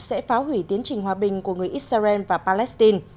sẽ phá hủy tiến trình hòa bình của người israel và palestine